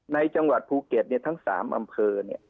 ในจังหวัดภูเก็ตทั้ง๓อำเภอ